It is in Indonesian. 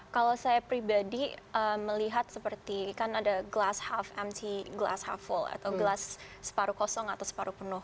kalau saya pribadi melihat seperti kan ada glass half empty glass half full atau glass separuh kosong atau separuh penuh